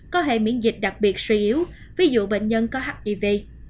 có hệ miễn dịch đặc biệt suy yếu ví dụ bệnh nhân có hiv